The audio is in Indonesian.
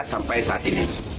sampai saat ini